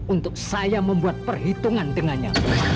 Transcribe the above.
untuk saya membuat perhitungan dengannya